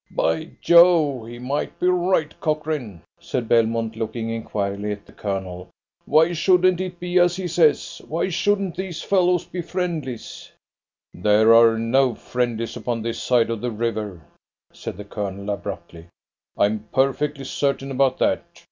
"Be Jove, he may be right, Cochrane," said Belmont, looking inquiringly at the Colonel. "Why shouldn't it be as he says? why shouldn't these fellows be friendlies?" "There are no friendlies upon this side of the river," said the Colonel abruptly; "I am perfectly certain about that.